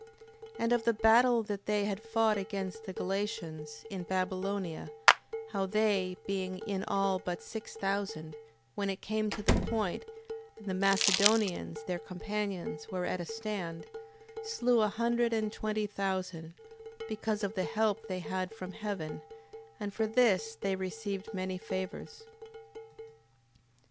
8:20. And of the battle that they had fought against the Galatians, in Babylonia; how they, being in all but six thousand, when it came to the point, and the Macedonians, their companions, were at a stand, slew a hundred and twenty thousand, because of the help they had from heaven, and for this they received many favours.